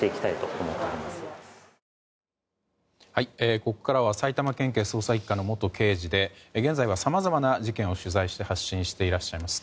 ここからは埼玉県警の捜査１課の元刑事で現在はさまざまな事件を取材して発信しています